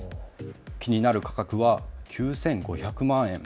気になる価格は９５００万円。